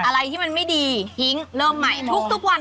อะไรที่มันไม่ดีทิ้งเริ่มใหม่ทุกวัน